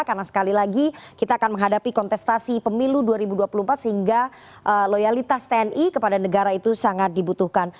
karena sekali lagi kita akan menghadapi kontestasi pemilu dua ribu dua puluh empat sehingga loyalitas tni kepada negara itu sangat dibutuhkan